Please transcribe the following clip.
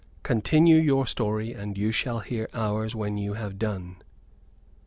Continue your story, and you shall hear ours when you have done."